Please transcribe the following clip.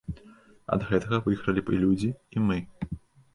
Ад гэтага выйгралі б і людзі, і мы.